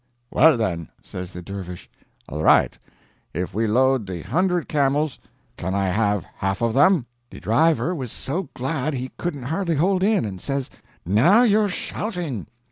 "Well, then," says the dervish, "all right. If we load the hundred camels, can I have half of them?" The driver was so glad he couldn't hardly hold in, and says: "Now you're shouting."